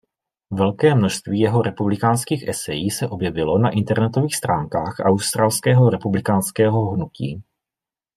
Velké množství jeho republikánských esejí se objevilo na internetových stránkách Australského republikánského hnutí.